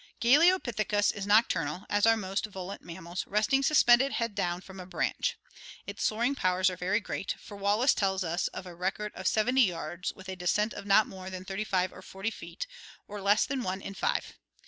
Galeopithecus is nocturnal, as are most volant mammals, resting suspended, head down, from a branch. Its soaring powers are very great, for Wallace tells us of a record of 70 yards with a descent of not more than 35 or 40 feet, or less than one in five.